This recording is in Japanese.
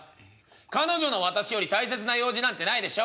「彼女の私より大切な用事なんてないでしょ？」。